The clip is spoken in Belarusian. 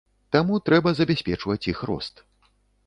Таму трэба забяспечваць іх рост.